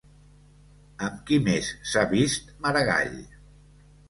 Amb qui més s'ha vist Maragall?